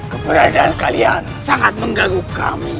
keberadaan kalian sangat mengganggu kami